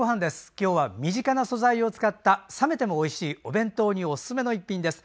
今日は身近な素材を使った冷めてもおいしいお弁当におすすめの一品です。